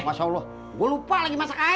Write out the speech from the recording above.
masya allah gue lupa lagi masak air